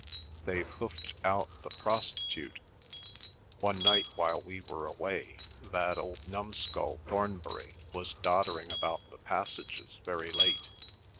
"They've hoofed out the prostitute. One night while we were away that old numskull Thornbury was doddering about the passages very late.